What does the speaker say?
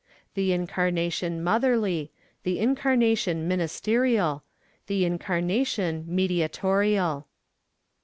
The Incarnation Motherly! The Incarnation Ministerial! _The Incarnation Mediatorial!